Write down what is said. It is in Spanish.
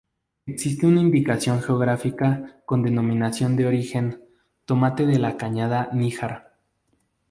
Existe una Indicación geográfica con denominación de origen: Tomate de La Cañada-Níjar.